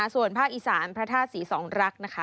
ส่วนภาคอีสานพระธาตุศรีสองรักนะคะ